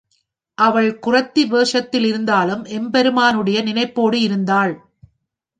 அவள் குறத்தி வேஷத்தில் இருந்தாலும் எம்பெருமானுடைய நினைப்போடு இருந்தாள்.